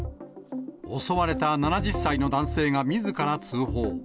襲われた７０歳の男性がみずから通報。